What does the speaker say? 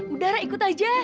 udah ra ikut aja